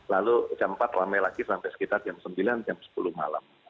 lalu jam empat rame lagi sampai sekitar jam sembilan jam sepuluh malam